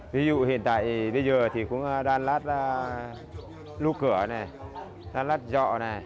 ví dụ hiện tại bây giờ thì cũng đan lát lưu cửa đan lát dọ